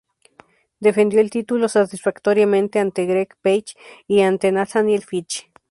Defendió el título satisfactoriamente ante Greg Page y ante Nathaniel Fitch.